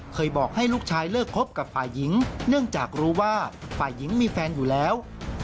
บอกให้ลูกชายเลิกคบกับฝ่ายหญิงเนื่องจากรู้ว่าฝ่ายหญิงมีแฟนอยู่แล้ว